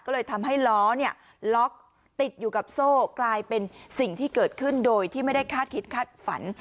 ก็เลยทำให้ล้อล็อกติดอยู่กับโซ่กลายเป็นสิ่งที่เกิดขึ้นโดยที่ไม่ได้คาดคิดคาดฝัน